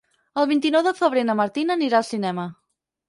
El vint-i-nou de febrer na Martina anirà al cinema.